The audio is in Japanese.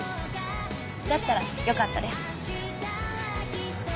だったらよかったです。